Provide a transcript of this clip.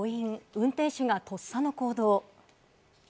運転手がとった、とっさの行動。